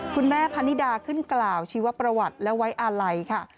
คุณแม่พนิดาขึ้นกล่าวชีวประวัติและไว้อาลัยค่ะ